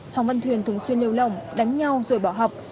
hồng văn thuyền thường xuyên lêu lỏng đánh nhau rồi bỏ học